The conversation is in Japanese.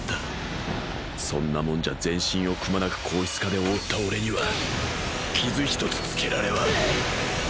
そんなもんじゃ全身をくまなく硬質化で覆った俺には傷一つ付けられは。